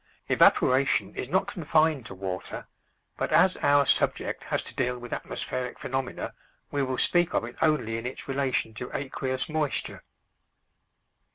Evaporation is not confined to water, but as our subject has to deal with atmospheric phenomena we will speak of it only in its relation to aqueous moisture.